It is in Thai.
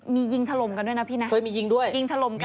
มียิงถลมกันด้วยนะพี่นะ